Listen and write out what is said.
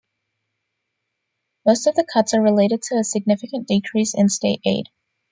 Most of the cuts are related to a significant decrease in state aid.